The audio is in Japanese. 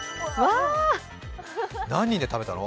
何人で食べたの？